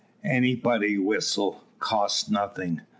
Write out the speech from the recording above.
Anybody whistle, cost nothing.